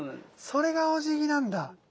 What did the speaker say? それがおじぎなんだ。